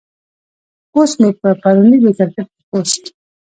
اوس مې پۀ پروني د کرکټ پۀ پوسټ